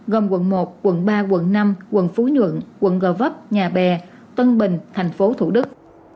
gồm quận một quận ba quận năm quận phú nhuận quận gò vấp nhà bè tân bình thành phố thủ đức